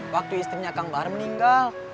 waktu istrinya kang bar meninggal